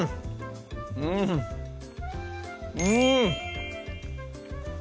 うんうん！